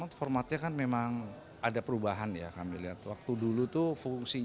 nah terkenal itu ternyata mudah recuperasi haiparenta mulia tetapi berhubung dengan